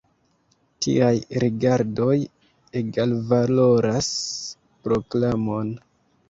Tiaj rigardoj egalvaloras proklamon.